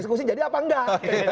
eksekusi jadi apa enggak